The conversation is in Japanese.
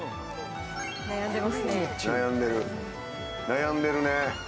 悩んでるね。